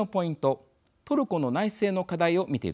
トルコの内政の課題を見ていきます。